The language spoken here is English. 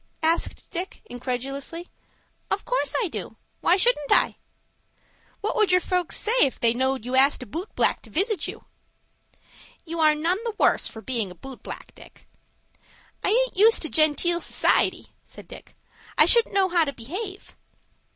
asked Dick, incredulously. "Of course I do. Why shouldn't I?" "What would your folks say if they knowed you asked a boot black to visit you?" "You are none the worse for being a boot black, Dick." "I aint used to genteel society," said Dick. "I shouldn't know how to behave."